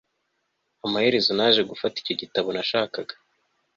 amaherezo naje gufata icyo gitabo nashakaga